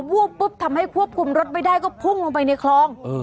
วูบปุ๊บทำให้ควบคุมรถไม่ได้ก็พุ่งลงไปในคลอง